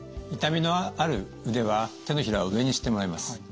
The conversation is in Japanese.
痛みのある腕は手のひらを上にしてもらいます。